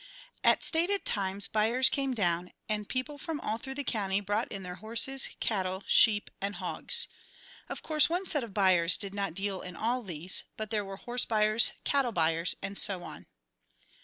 At stated times buyers came down, and people from all through the country brought in their horses, cattle, sheep and hogs. Of course, one set of buyers did not deal in all these, but there were horse buyers, cattle buyers and so on.